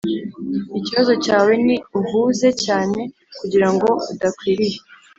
“ikibazo cyawe ni… uhuze cyane kugira ngo udakwiriye.”